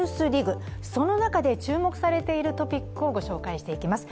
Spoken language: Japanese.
その中で注目されているトピックをご紹介していきます。